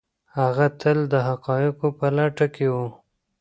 هغه تل د حقایقو په لټه کي و.